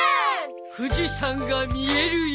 富士山が見える池。